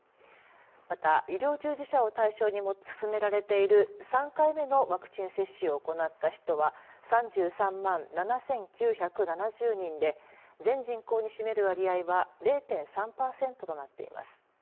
また、医療従事者を対象に進められている３回目のワクチン接種を行った人は３３万７９７０人で全人口に占める割合は０．３パーセントとなっています。